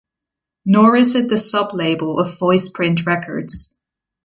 Nor is it the sub-label of Voiceprint Records.